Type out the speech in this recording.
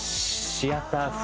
シアター風！